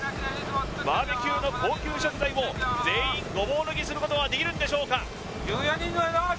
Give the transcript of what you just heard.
バーベキューの高級食材を全員ごぼう抜きすることができるんでしょうか？